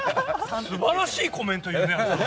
素晴らしいコメントだね！